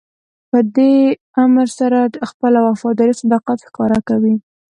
په دې امر سره خپله وفاداري او صداقت ښکاره کوئ.